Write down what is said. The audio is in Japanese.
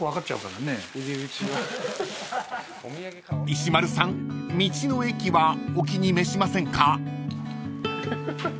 ［石丸さん道の駅はお気に召しませんか？］